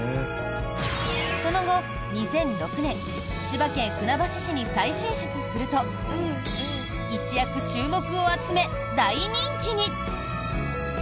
その後、２００６年千葉県船橋市に再進出すると一躍注目を集め、大人気に。